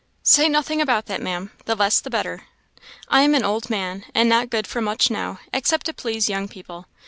"Say nothing about that, Maam; the less the better. I am an old man, and not good for much now, except to please young people.